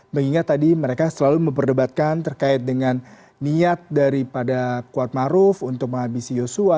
mengingat tadi mereka selalu memperdebatkan terkait dengan niat daripada kuatmaruf untuk menghabisi yosua